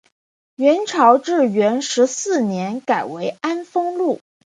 元朝至元十四年改为安丰路。